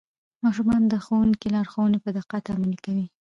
ماشومان د ښوونکي لارښوونې په دقت عملي کوي